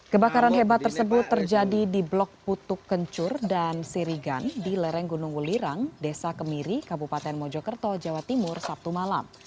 kebakaran hebat tersebut terjadi di blok putuk kencur dan sirigan di lereng gunung wulirang desa kemiri kabupaten mojokerto jawa timur sabtu malam